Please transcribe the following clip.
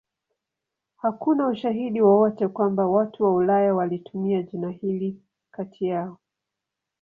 Hakuna ushahidi wowote kwamba watu wa Ulaya walitumia jina hili kati yao.